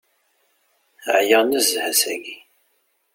Ɛyiɣ nezzeh ass-agi.